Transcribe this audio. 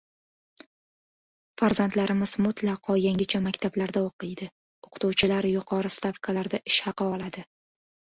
Farzandlarimiz mutlaqo yangicha maktablarda o‘qiydi. O‘qituvchilar yuqori stavkalarda ish haqi oladi